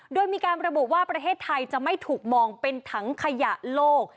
โดยมีการระบุว่าประเทศไทยจะไม่ถูกมองเป็นถังขยะโลก